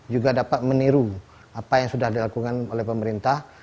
juga dapat meniru apa yang sudah dilakukan oleh pemerintah